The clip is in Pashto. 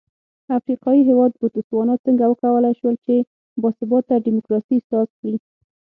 افریقايي هېواد بوتسوانا څنګه وکولای شول چې با ثباته ډیموکراسي ساز کړي.